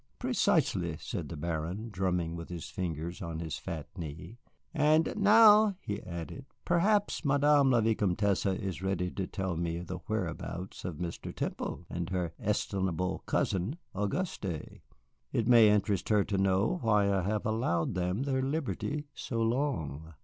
"Precisely," said the Baron, drumming with his fingers on his fat knee. "And now," he added, "perhaps Madame la Vicomtesse is ready to tell me of the whereabouts of Mr. Temple and her estimable cousin, Auguste. It may interest her to know why I have allowed them their liberty so long."